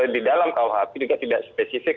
di dalam kuhp juga tidak spesifik